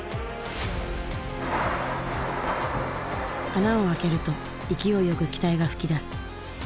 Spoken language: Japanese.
穴を開けると勢いよく気体が噴き出す。